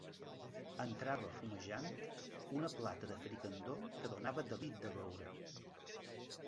Entrava, fumejant, una plata de fricandó, que donava delit de veure.